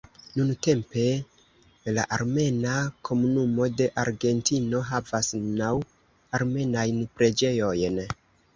Nuntempe la armena komunumo de Argentino havas naŭ armenajn preĝejojn.